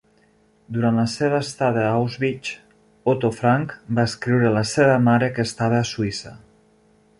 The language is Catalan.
Durant la seva estada a Auschwitz, Otto Frank va escriure a la seva mare que estava a Suïssa.